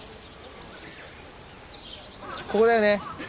ここだよね？